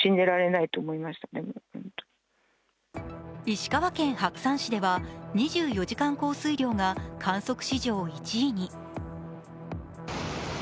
石川県白山市では２４時間降水量が観測史上１位に。